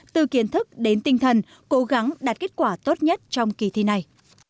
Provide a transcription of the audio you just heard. từ kiến thức đến tinh thần cố gắng đạt kết quả tốt nhất trong kỳ thi này